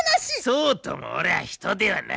そうとも俺は人ではないわい。